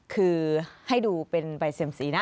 คือให้ดูเป็นใบเสื่อมสีนะ